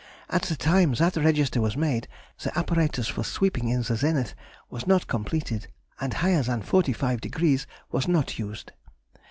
At the time that register was made, the apparatus for sweeping in the zenith was not completed, and higher than 45° was not used.